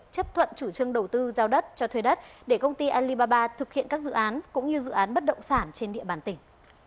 chấp thuận chủ trương đầu tư giao đất cho thuê đất để công ty alibaba thực hiện các dự án cũng như dự án bất động sản trên địa bàn tỉnh